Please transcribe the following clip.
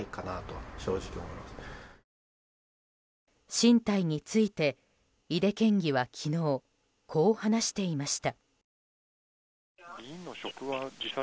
進退について井手県議は昨日こう話していました。